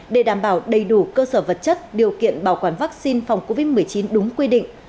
để đảm bảo đầy đủ cơ sở vật chất điều kiện bảo quản vaccine phòng covid một mươi chín đúng quy định